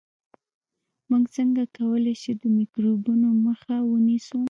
موږ څنګه کولای شو د میکروبونو مخه ونیسو